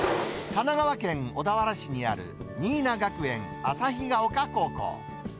神奈川県小田原市にある新名学園旭丘高校。